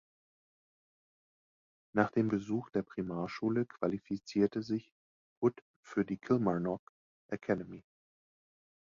Nach dem Besuch der Primarschule qualifizierte sich Hood für die Kilmarnock Academy.